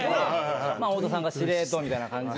太田さんが司令塔みたいな。